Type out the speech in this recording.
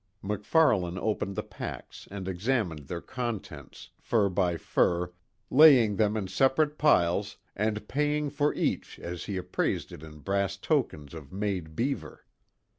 MacFarlane opened the packs and examined their contents, fur by fur, laying them in separate piles and paying for each as he appraised it in brass tokens of made beaver.